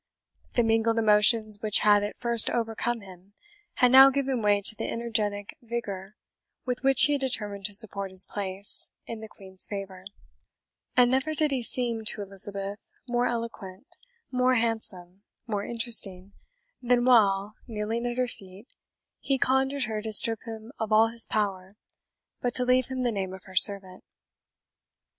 The mingled emotions which had at first overcome him had now given way to the energetic vigour with which he had determined to support his place in the Queen's favour; and never did he seem to Elizabeth more eloquent, more handsome, more interesting, than while, kneeling at her feet, he conjured her to strip him of all his dower, but to leave him the name of her servant.